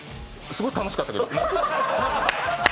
すごい楽しかったけどな。